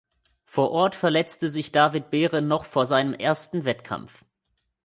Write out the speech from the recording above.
Vor Ort verletzte sich David Behre noch vor seinem ersten Wettkampf.